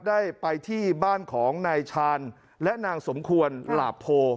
ได้ไปที่บ้านของนายชาญและนางสมควรหลาโพ